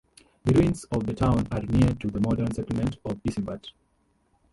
The ruins of the town are near to the modern settlement of Eceabat.